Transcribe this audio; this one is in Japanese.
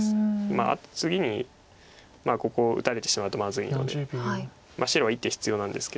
まあ次にここ打たれてしまうとまずいので白は１手必要なんですけど。